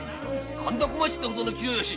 神田小町ってほどの器量良し